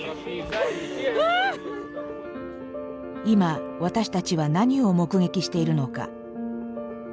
今私たちは何を目撃しているのか。